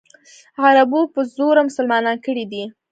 عربو په زوره مسلمانان کړي دي.